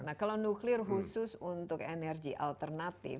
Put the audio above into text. nah kalau nuklir khusus untuk energi alternatif